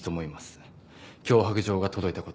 脅迫状が届いた事も。